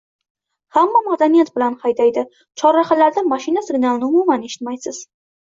Hamma madaniyat bilan haydaydi, chorrahalarda mashina signalini umuman eshitmaysiz.